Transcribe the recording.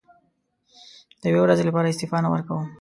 د یوې ورځې لپاره استعفا نه ورکووم.